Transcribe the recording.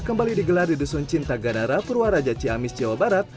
kembali digelar di dusun cinta ganara purwara jaci amis jawa barat